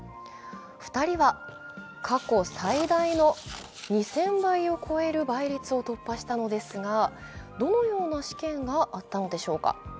２人は過去最大の２０００倍を超える倍率を突破したのですが、どのような試験があったのでしょうか。